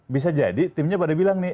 bisa jadi timnya pada bilang nih